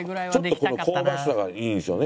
この香ばしさがいいんですよね